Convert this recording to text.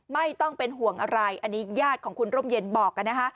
ไม่ต้องเป็นห่วงอะไรอันนี้ญาติของคุณร่มเย็นบอกนะคะ